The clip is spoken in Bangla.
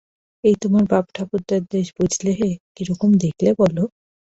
এই তোমার বাপ-ঠাকুরদার দেশ বুঝলে হে, কি রকম দেখলে বল?